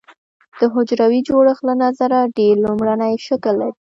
د حجروي جوړښت له نظره ډېر لومړنی شکل لري.